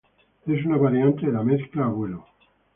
Es una variante de la mezcla a vuelo.